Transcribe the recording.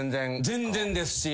全然ですし。